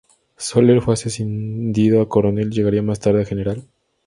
Soler fue ascendido a coronel y llegaría más tarde a general.